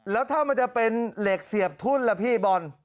แล้วถ้ามันจะเป็นเหล็กเสียบทุ่นล่ะพี่บอล